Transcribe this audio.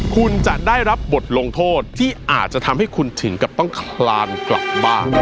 คุณจะได้รับบทลงโทษที่อาจจะทำให้คุณถึงกับต้องคลานกลับบ้าน